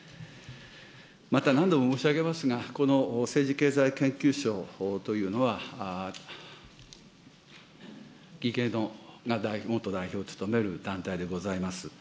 また何度も申し上げますが、この政治経済研究所というのは、義兄が元代表を務める団体でございます。